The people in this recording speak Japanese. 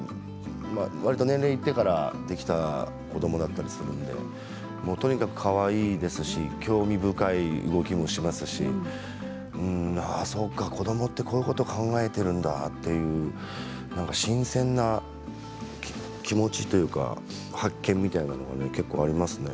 年齢がいってからできた子どもだったんですのでかわいいですし興味深い動きもしますしそうか、子どもってこういうことを考えているんだって新鮮な気持ちというか発見みたいなものは結構ありますね。